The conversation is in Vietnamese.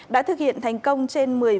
đã thực hiện thành công trên mùa xuân